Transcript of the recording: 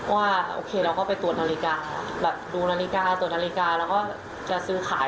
ว่าโอเคเราก็ไปตรวจนาฬิกาแบบดูนาฬิกาตรวจนาฬิกาแล้วก็จะซื้อขาย